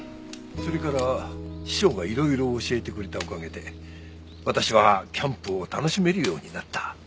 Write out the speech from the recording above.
それから師匠がいろいろ教えてくれたおかげで私はキャンプを楽しめるようになった。